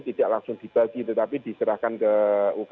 tidak langsung dibagi tetapi diserahkan ke ukm